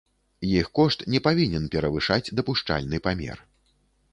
Іх кошт не павінен перавышаць дапушчальны памер.